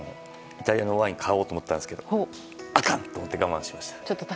イタリアのワインを買おうと思ったんですけどあかん！と思って我慢しました。